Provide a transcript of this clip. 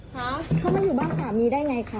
คะถ้าไม่อยู่บ้านสามีได้ไงคะ